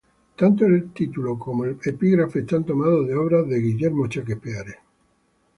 Tanto el título como el epígrafe están tomados de obras de William Shakespeare.